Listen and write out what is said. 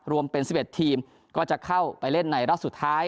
รวมเป็น๑๑ทีมก็จะเข้าไปเล่นในรอบสุดท้าย